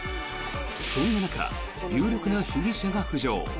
そんな中有力な被疑者が浮上。